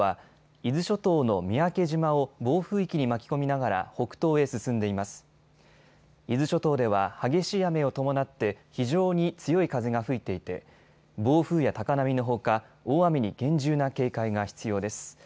伊豆諸島では激しい雨を伴って非常に強い風が吹いていて暴風や高波のほか大雨に厳重な警戒が必要です。